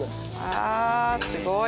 ああすごい！